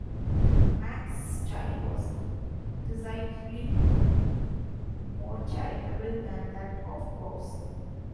Mack's style was decidedly more charitable than that of Bowes.